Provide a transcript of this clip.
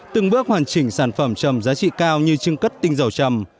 từng bước hoàn chỉnh sản phẩm trầm giá trị cao như trưng cất tinh dầu chầm